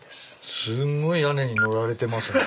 すんごい屋根に乗られてます。